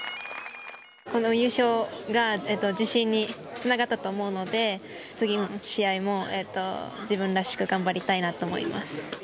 この優勝が自信につながったと思うので、次の試合も自分らしく頑張りたいなと思います。